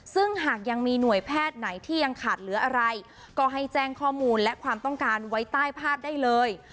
ซึ่งหากยังมีหน่วยแพทย์ไหนที่ยังขาดเหลืออะไรก็ให้แจ้งข้อมูลและความต้องการไว้ใต้ภาพได้เลย